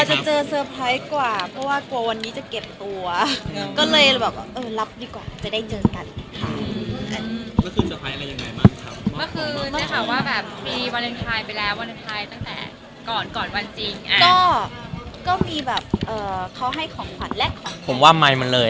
ตื่นแล้วค่ะเมื่อกี้ยังอ่วงอยู่เลย